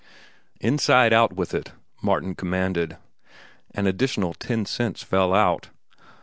"Inside out with it," Martin commanded. An additional ten cents fell out.